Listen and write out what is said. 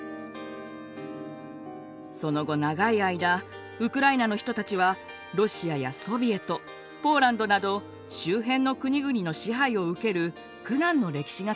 その後長い間ウクライナの人たちはロシアやソビエトポーランドなど周辺の国々の支配を受ける苦難の歴史が続きました。